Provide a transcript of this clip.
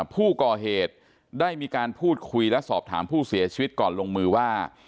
ผู้ก่อเหตุได้มีการพูดคุยและสอบถามผู้เสียชีวิตก่อนลงมือว่า